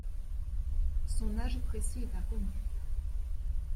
Son âge précis est inconnu.